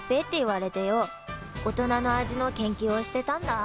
大人の味の研究をしてたんだ。